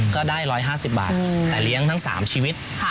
ก็ได้ร้อยห้าสิบบาทแต่เลี้ยงทั้งสามชีวิต